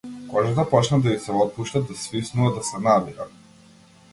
Кожата почна да и се отпушта, да свиснува, да се набира.